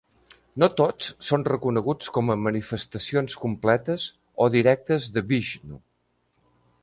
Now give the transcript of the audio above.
No tots són reconeguts com a manifestacions completes o directes de Vixnu.